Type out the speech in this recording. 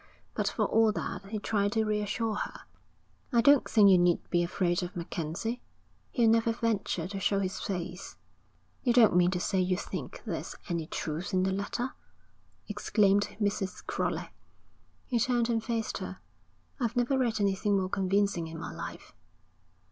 But for all that he tried to reassure her. 'I don't think you need be afraid of MacKenzie. He'll never venture to show his face.' 'You don't mean to say you think there's any truth in the letter?' exclaimed Mrs. Crowley. He turned and faced her. 'I've never read anything more convincing in my life.'